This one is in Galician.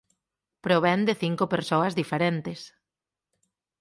Provén de cinco persoas diferentes".